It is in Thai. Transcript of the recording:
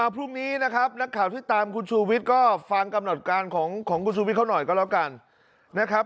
พรุ่งนี้นะครับนักข่าวที่ตามคุณชูวิทย์ก็ฟังกำหนดการของคุณชูวิทย์เขาหน่อยก็แล้วกันนะครับ